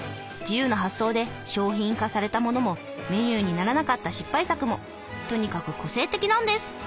自由な発想で商品化されたものもメニューにならなかった失敗作もとにかく個性的なんです。